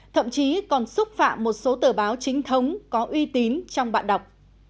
thậm chí còn xúc phạm một số tờ báo chính thống có uy tín trong bản đọc